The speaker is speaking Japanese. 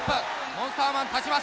モンスターマン立ちます。